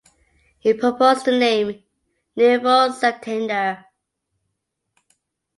He proposed the name "Nuevo Santander".